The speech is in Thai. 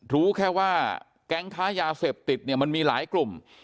รู้แค่ว่าแก๊งค้ายาเสพติดเนี่ยมันมีหลายกลุ่ม